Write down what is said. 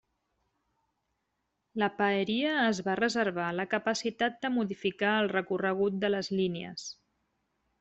La Paeria es va reservar la capacitat de modificar el recorregut de les línies.